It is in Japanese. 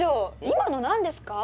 今の何ですか？